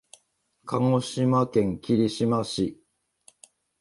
鹿児島県霧島市